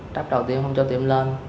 tắp đầu tiến không cho tiến lên